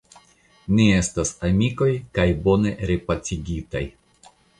Ni estas amikoj kaj bone repacigitaj.